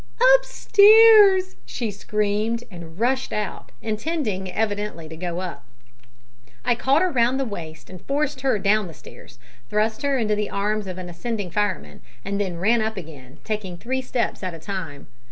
"Up stairs," she screamed, and rushed out, intending evidently to go up. I caught her round the waist and forced her down the stairs, thrust her into the arms of an ascending fireman, and then ran up again, taking three steps at a time.